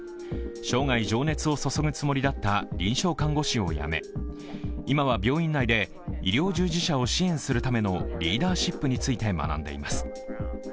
生涯情熱を注ぐつもりだった臨床看護師を辞め今は病院内で医療従事者を支援するためのリーダーシップについて学んでいます。